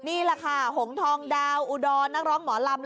นี่แหละค่ะหงทองดาวอุดรนักร้องหมอลำ